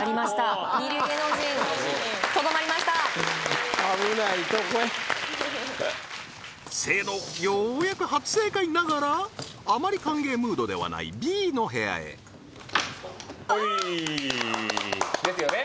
二流芸能人とどまりました危ないとこや清野ようやく初正解ながらあまり歓迎ムードではないＢの部屋へおいーですよね？